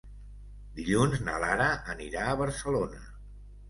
Dilluns na Lara anirà a Barcelona.